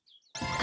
あ